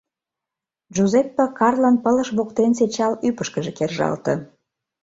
Джузеппе Карлон пылыш воктенсе чал ӱпышкыжӧ кержалте.